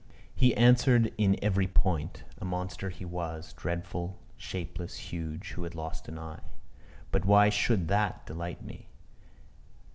He answered in every point a monster he was dreadful, shapeless, huge, who had lost an eye. But why should that delight me?